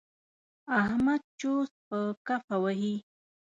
احمد چوس په کفه وهي.